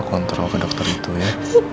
kontrol ke dokter itu ya